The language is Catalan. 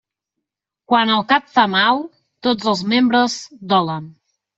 Quan el cap fa mal, tots els membres dolen.